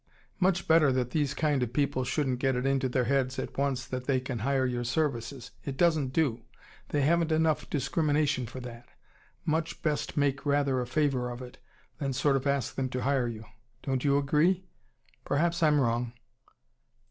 Much better that these kind of people shouldn't get it into their heads at once that they can hire your services. It doesn't do. They haven't enough discrimination for that. Much best make rather a favour of it, than sort of ask them to hire you. Don't you agree? Perhaps I'm wrong."